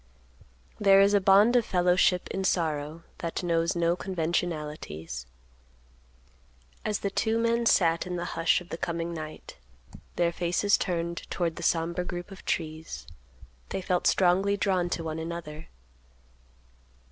There is a bond of fellowship in sorrow that knows no conventionalities. As the two men sat in the hush of the coming night, their faces turned toward the somber group of trees, they felt strongly drawn to one another.